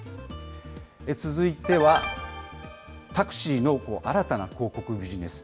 続いては、タクシーの新たな広告ビジネス。